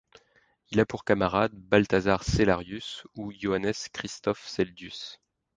Il a pour camarades Balthasar Cellarius ou Johannes Christoph Seldius.